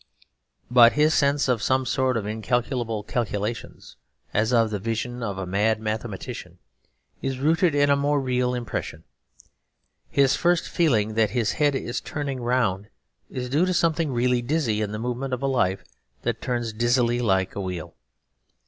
But his sense of some sort of incalculable calculations, as of the vision of a mad mathematician, is rooted in a more real impression. His first feeling that his head is turning round is due to something really dizzy in the movement of a life that turns dizzily like a wheel.